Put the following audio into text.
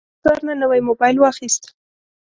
ما له بازار نه نوی موبایل واخیست.